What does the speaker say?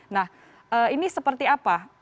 nah ini seperti apa